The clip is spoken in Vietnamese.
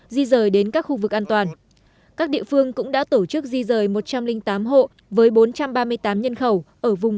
di rời đến các khu vực an toàn các địa phương cũng đã tổ chức di rời một trăm linh tám hộ với bốn trăm ba mươi tám nhân khẩu ở vùng